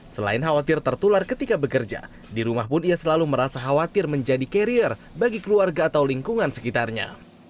selain khawatir tertular ketika bekerja di rumah pun ia selalu merasa khawatir menjadi carrier bagi keluarga atau lingkungan sekitarnya